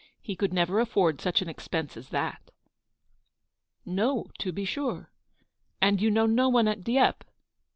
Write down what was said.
He could never afford such an expense as that." " No, to be sure ; and you know no one at Dieppe?"